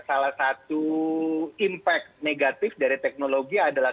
salah satu impact negatif dari teknologi adalah